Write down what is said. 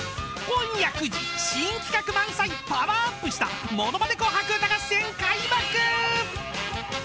［今夜９時新企画満載パワーアップした『ものまね紅白歌合戦』開幕！］